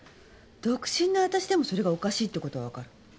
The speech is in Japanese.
独身のわたしでもそれがおかしいってことは分かる。